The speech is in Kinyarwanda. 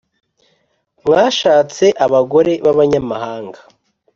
mwashatse abagore b abanyamahanga